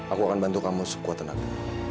aku akan bantu kamu sekuat tenaga